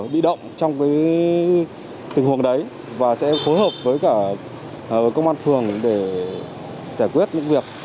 bị động trong tình huống đấy và sẽ phối hợp với cả công an phường để giải quyết những việc